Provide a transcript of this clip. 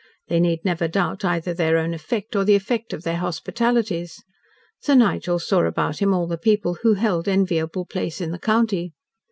They need never doubt either their own effect, or the effect of their hospitalities. Sir Nigel saw about him all the people who held enviable place in the county.